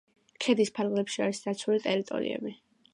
ქედის ფარგლებში არის დაცული ტერიტორიები.